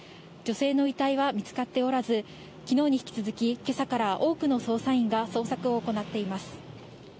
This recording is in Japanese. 女性の遺体は見つかっておらず、昨日に引き続き今朝から多くの捜査員が捜索を行っています。